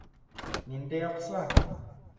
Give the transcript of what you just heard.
Ниндәй аҡса?..